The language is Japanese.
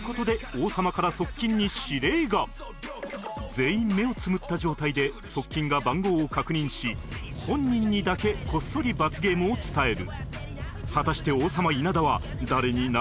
全員目をつむった状態で側近が番号を確認し本人にだけこっそり罰ゲームを伝える